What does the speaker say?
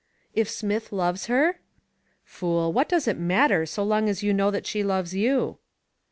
"If Smith loves her?" "Fool! What does it matter so long as you know that she loves you?"